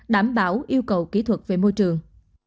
đảm bảo yêu cầu kỹ thuật về môi trường